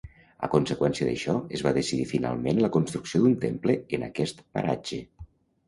A conseqüència d'això, es va decidir finalment la construcció d'un temple en aquest paratge.